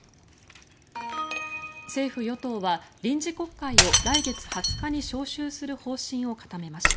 政府・与党は臨時国会を来月２０日に召集する方針を固めました。